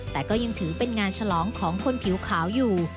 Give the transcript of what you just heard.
แต่ก็ยังถือเป็นงานฉลองของคนผิวขาวอยู่